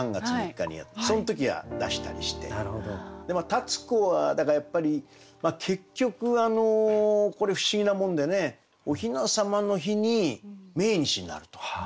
立子はだからやっぱり結局これ不思議なもんでねお雛様の日に命日になると。